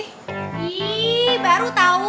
ih baru tau